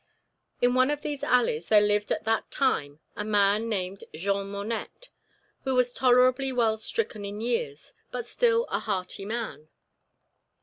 In one of these alleys, there lived at that time a man named Jean Monette, who was tolerably well stricken in years, but still a hearty man.